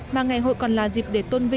mà ngày hội còn là dịp để tôn vấn